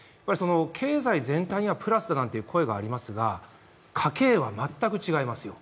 経済全体にはプラスだなんて声がありますが、家計は全く違いますよ。